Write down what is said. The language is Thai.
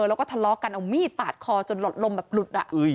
แล้วก็ทะเลาะกันเอามีดปาดคอจนหลอดลมแบบหลุด